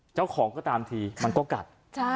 เจ้าของก็ตามทีมันก็กัด